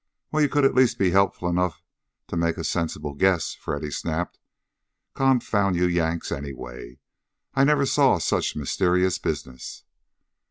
"Well, you could at least be helpful enough to make a sensible guess!" Freddy snapped. "Confound you Yanks, anyway! I never saw such mysterious business!"